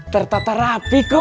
tertata rapi kum